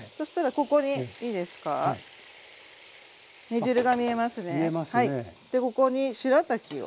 ここにしらたきを。